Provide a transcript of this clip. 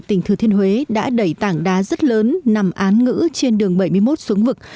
tỉnh thừa thiên huế đã đẩy tảng đá rất lớn nằm án ngữ trên đường bảy mươi một xuống vực